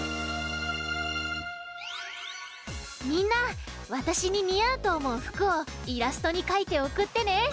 みんなわたしににあうとおもうふくをイラストにかいておくってね！